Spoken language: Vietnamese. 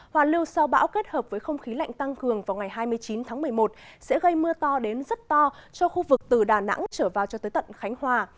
hoàn lưu sau bão kết hợp với không khí lạnh tăng cường vào ngày hai mươi chín tháng một mươi một sẽ gây mưa to đến rất to cho khu vực từ đà nẵng trở vào cho tới tận khánh hòa